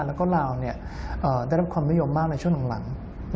แล้วก็ลาวได้รับความนิยมมากในช่วงหลัง